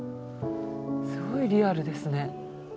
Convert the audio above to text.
すごいリアルですね。